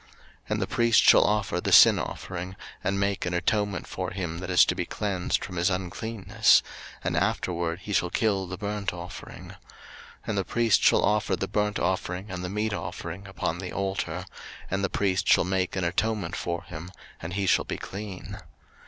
03:014:019 And the priest shall offer the sin offering, and make an atonement for him that is to be cleansed from his uncleanness; and afterward he shall kill the burnt offering: 03:014:020 And the priest shall offer the burnt offering and the meat offering upon the altar: and the priest shall make an atonement for him, and he shall be clean.